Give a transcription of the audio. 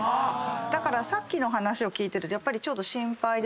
だからさっきの話を聞いてるとやっぱりちょっと心配で。